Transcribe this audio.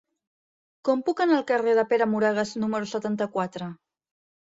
Com puc anar al carrer de Pere Moragues número setanta-quatre?